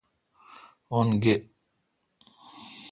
ان گے۔